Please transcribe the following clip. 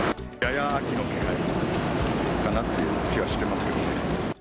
やや秋の気配かなっていう気はしてますね。